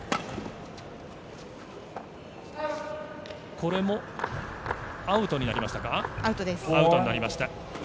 これもアウトになりました。